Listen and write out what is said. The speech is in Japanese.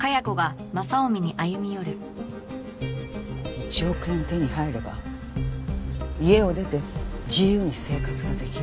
１億円手に入れば家を出て自由に生活ができる。